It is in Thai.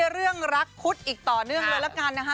เรื่องรักคุดอีกต่อเนื่องเลยละกันนะคะ